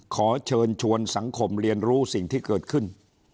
ขอเชิญชวนสังคมเรียนรู้สิ่งที่เกิดขึ้น